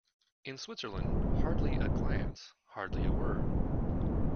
In Switzerland, hardly a glance, hardly a word.